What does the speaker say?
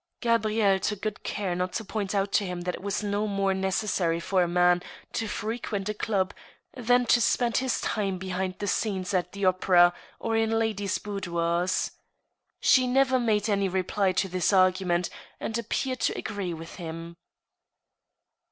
" Gabrielle took good care not to point out to him that it was no more necessary for a man to frequent a club than to spend his time behind the scenes at the opera or in ladies* boudoirs. She never made any reply to this argument, and appeared to agrree with him.